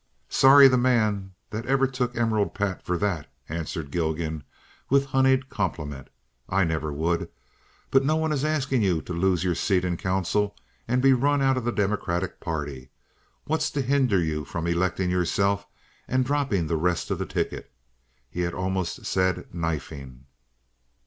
"Sorry the man that ever took 'Emerald Pat' for that," answered Gilgan, with honeyed compliment. "I never would. But no one is askin' ye to lose your seat in council and be run out of the Democratic party. What's to hinder you from electin' yourself and droppin' the rest of the ticket?" He had almost said "knifing."